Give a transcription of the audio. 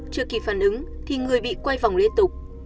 trước khi phản ứng thì người bị quay vòng lê tục